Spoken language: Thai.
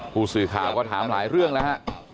ผู้สื่อข่าวก็ถามหลายเรื่องแล้วฮะ